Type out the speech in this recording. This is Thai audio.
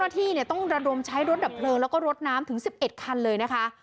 ที่ต้องระดมใช้รถดับเพลิงแล้วก็รถน้ำถึง๑๑คันเลยนะคะ